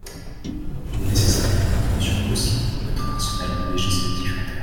Il est nécessaire que nous renforcions aussi notre arsenal législatif interne.